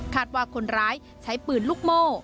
ว่าคนร้ายใช้ปืนลูกโม่